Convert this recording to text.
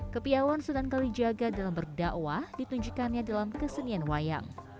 kepiawan sunan kalijaga dalam berdakwah ditunjukkannya dalam kesenian wayang